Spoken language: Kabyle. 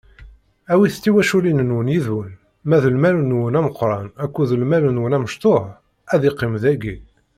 Awit tiwaculin-nwen yid-wen, ma d lmal-nwen ameqran akked lmal-nwen amecṭuḥ ad iqqim dagi.